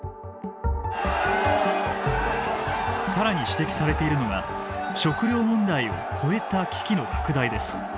更に指摘されているのが食料問題を超えた危機の拡大です。